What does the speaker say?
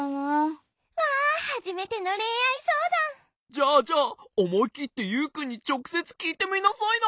じゃあじゃあおもいきってユウくんにちょくせつきいてみなさいな。